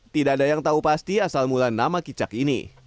tidak ada yang tahu pasti asal mula nama kicak ini